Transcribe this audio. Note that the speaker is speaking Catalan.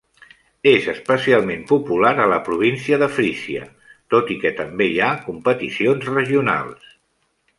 És especialment popular a la província de Frísia, tot i que també hi ha competicions regionals.